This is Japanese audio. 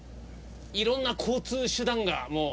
いろんな交通手段がもう。